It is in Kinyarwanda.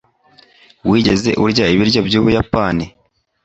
Wigeze urya ibiryo by'Ubuyapani?